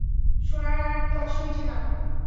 শোনার আর তর সইছে না।